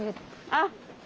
あっ！